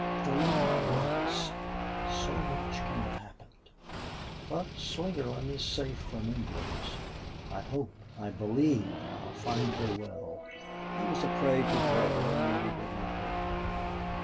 "Three months! So much can have happened. But Slingerland is safe from Indians. I hope I believe I'll find her well." He was a prey to dread and yet he did not hurry.